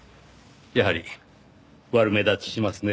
やはり悪目立ちしますね。